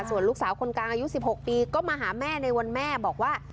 ส่วนลูกสาวคนกลางอายุ๑๖ปีก็มาหาแม่ในวันแม่บอกว่า